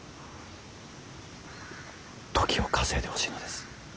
時を稼いでほしいのです。